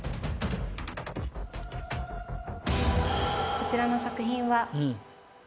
こちらの作品は。